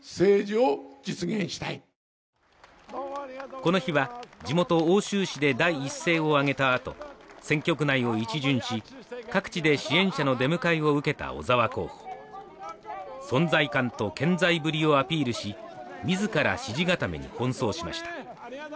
この日は地元奥州市で第一声を上げたあと選挙区内を一巡し各地で支援者の出迎えを受けた小沢候補存在感と健在ぶりをアピールし自ら支持固めに奔走しました